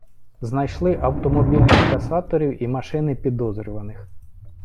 Знайшли автомобіль інкасаторів і машини підозрюваних.